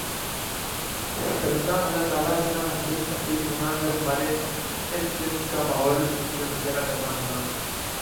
پرندہ اللہ تعالی کرنا حسین تخلیق ہونا جو ہمارہ ارد گرد کا ماحول میں بسیرا کرنا ہونا